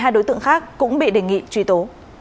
một mươi hai đối tượng khác cũng bị đề nghị truy tố